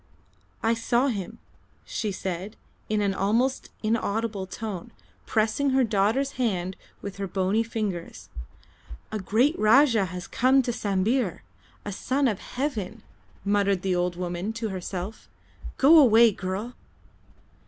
"I saw him," she said, in an almost inaudible tone, pressing her daughter's hand with her bony fingers. "A great Rajah has come to Sambir a Son of Heaven," muttered the old woman to herself. "Go away, girl!"